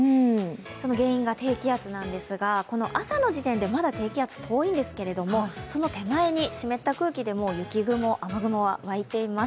その原因が低気圧なんですが、朝の時点で低気圧、遠いんですがその手前に、湿った空気で雪雲、雨雲はわいています。